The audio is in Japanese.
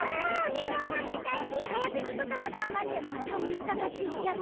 めもさめたしはやくちことばがんばってまたおなかがすいちゃった。